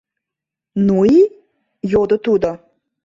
— Ну и?.. — йодо тудо.